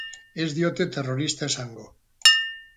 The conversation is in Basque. Ez diote terrorista esango.